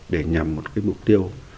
để nhằm một cái mục tiêu